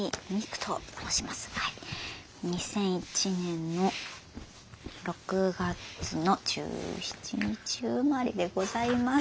２００１年の６月の１７日生まれでございます。